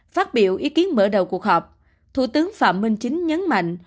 phát biểu ý kiến mở đầu cuộc họp thủ tướng phạm minh chính nhấn mạnh